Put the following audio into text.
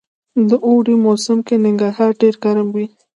د اوړي موسم کي ننګرهار ډير ګرم وي